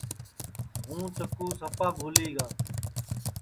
ہُوں چکُو سپا بھولی گا